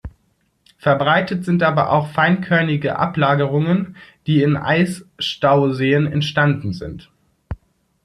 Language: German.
Verbreitet sind aber auch feinkörnige Ablagerungen, die in Eisstauseen entstanden sind.